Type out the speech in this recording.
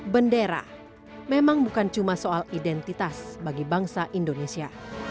bendera memang bukan cuma soal identitas bagi bangsa indonesia